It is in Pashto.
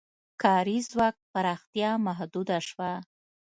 کاري ځواک پراختیا محدوده شوه.